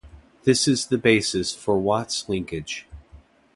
This is the basis for Watt's linkage.